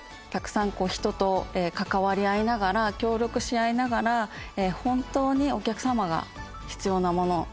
たくさん人と関わり合いながら協力し合いながら本当にお客様が必要なもの